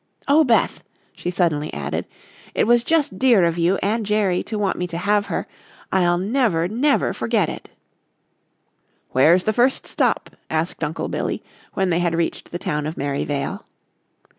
Oh, Beth," she suddenly added, "it was just dear of you and Jerry to want me to have her. I'll never, never forget it." "Where's the first stop?" asked Uncle Billy, when they had reached the town of Merryvale.